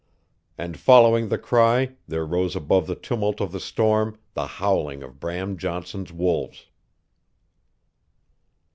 And following the cry there rose above the tumult of the storm the howling of Bram Johnson's wolves.